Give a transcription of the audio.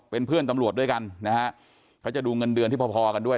เป็นเพื่อนตำรวจด้วยกันนะฮะเขาจะดูเงินเดือนที่พอพอกันด้วย